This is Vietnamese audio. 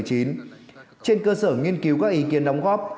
trên cơ sở nghiên cứu các ý kiến đóng góp